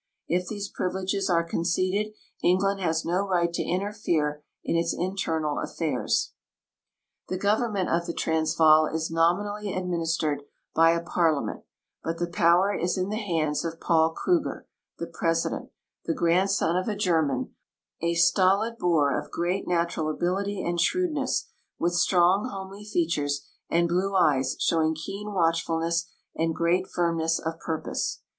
If these privileges are conceded, England has no right to interfere in its internal affairs. The government of the Transvaal is nominally administered by a parliament, but the poAver is in the hands of Paul Kruger, the president, the grandson of a German, a stolid Boer of great nat ural abilitA" and shrewdness, Avith strong homely features and blue eyes shoAving keen Avatchfulness and great firmness of purpose.